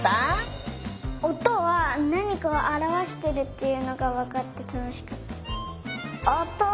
おとはなにかをあらわしてるっていうのがわかってたのしかった。